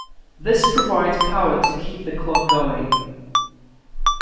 This provides power to keep the clock going.